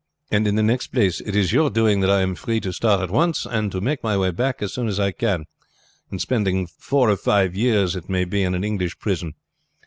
And in the next place it is your doing that I am free to start at once, and to make my way back as soon as I can, instead of spending four or five years, it may be, in an English prison.